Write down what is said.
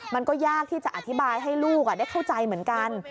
มันก็ยากที่จะอธิบายให้ลูกได้เข้าใจเหมือนกัน